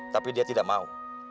tapi dia tidak mau